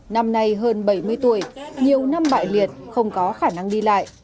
năm nay hơn bảy mươi tuổi nhiều năm bại liệt không có khả năng đi lại